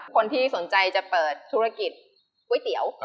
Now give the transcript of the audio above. คนที่สนใจจะเปิดธุรกิจก๋วยเตี๋ยว